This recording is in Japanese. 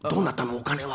お金は。